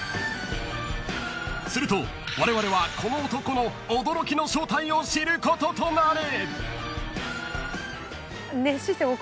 ［するとわれわれはこの男の驚きの正体を知ることとなる］